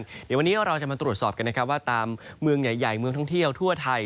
เดี๋ยววันนี้เราจะมาตรวจสอบกันนะครับว่าตามเมืองใหญ่เมืองท่องเที่ยวทั่วไทย